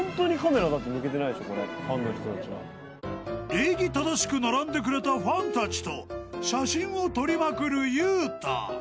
［礼儀正しく並んでくれたファンたちと写真を撮りまくるゆうた］